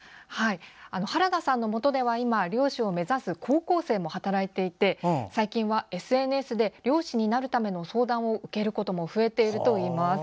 原田さんのもとでは今猟師を目指す高校生も働いていて最近はＳＮＳで猟師になるための相談を受けることも増えているといいます。